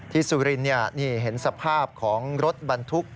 สุรินทร์นี่เห็นสภาพของรถบรรทุก